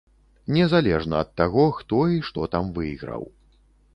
Незалежна ад таго, хто і што там выйграў.